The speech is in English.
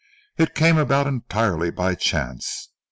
It came about entirely by chance.